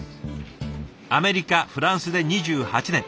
アメリカフランスで２８年。